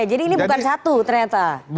jadi ini bukan satu ternyata